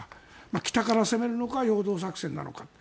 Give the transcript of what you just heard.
北から攻めるのか陽動作戦なのか